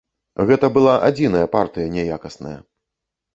Гэта была адзіная партыя няякасная.